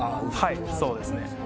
はいそうですね